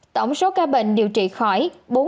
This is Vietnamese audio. tổng số ca bệnh điều trị khỏi